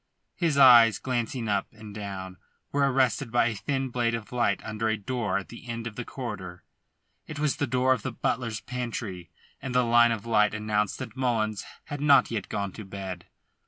His eyes, glancing up and down, were arrested by a thin blade of light under a door at the end of the corridor. It was the door of the butler's pantry, and the line of light announced that Mullins had not yet gone to bed.